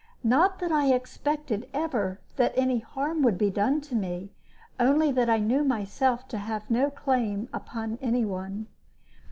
Not that I expected ever that any harm would be done to me, only that I knew myself to have no claim on any one.